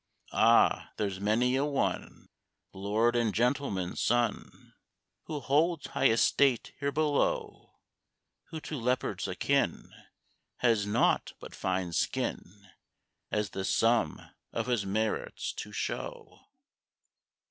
Ah! there's many a one, Lord and gentleman's son, Who holds high estate here below, Who to Leopards akin Has nought but fine skin As the sum of his merits to show.